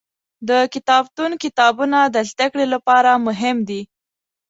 د کتابتون کتابونه د زده کړې لپاره مهم دي.